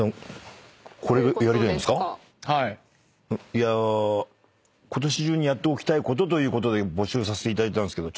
いやことし中にやっておきたいことということで募集させていただいたんですけど。